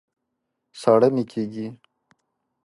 ساړه مي کېږي